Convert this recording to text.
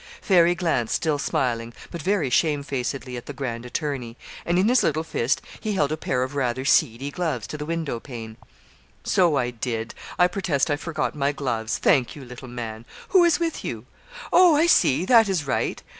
Fairy glanced, still smiling, but very shamefacedly at the grand attorney, and in his little fist he held a pair of rather seedy gloves to the window pane. 'So I did. I protest I forgot my gloves. Thank you, little man. Who is with you? Oh! I see. That is right.'